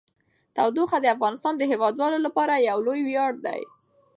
تودوخه د افغانستان د هیوادوالو لپاره یو لوی ویاړ دی.